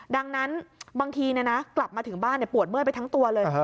ดังนั้นบางทีกลับมาถึงบ้านปวดเมื่อยไปทั้งตัวเลย